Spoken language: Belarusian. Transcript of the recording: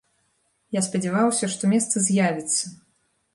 Я спадзяваўся, што месца з'явіцца.